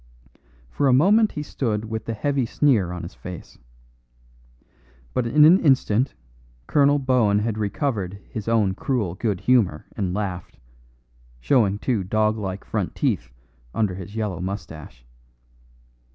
For a moment he stood with the heavy sneer on his face. But in an instant Colonel Bohun had recovered his own cruel good humour and laughed, showing two dog like front teeth under his yellow moustache.